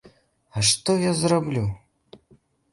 А што я зраблю?